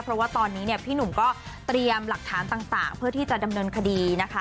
เพราะว่าตอนนี้เนี่ยพี่หนุ่มก็เตรียมหลักฐานต่างเพื่อที่จะดำเนินคดีนะคะ